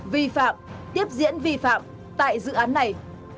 vi phạm tiếp diễn vi phạm tại dự án này